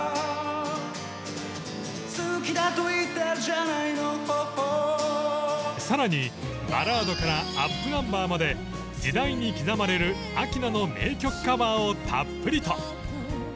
「好きだと言ってるじゃないのＨＯＨＯ」更にバラードからアップナンバーまで時代に刻まれる明菜の名曲カバーをたっぷりと。